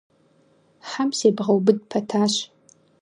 Хьэм себгъэубыд пэтащ.